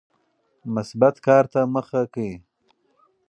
مثبت کار ته مخه کړئ.